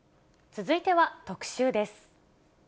続いては特集です。